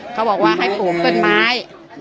เขาบอกว่าให้ปลูกต้นไม้